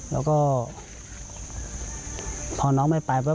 แล้วก็พอน้องไม่ไปปุ๊